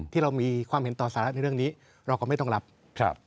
ที่เรามีความเห็นต่อสาระในเรื่องนี้เราก็ไม่ต้องรับครับ